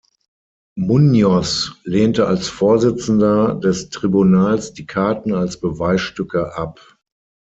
Muñoz lehnte als Vorsitzender des Tribunals die Karten als Beweisstücke ab.